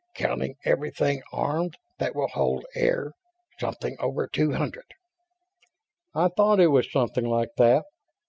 Counting everything armed that will hold air, something over two hundred." "I thought it was something like that.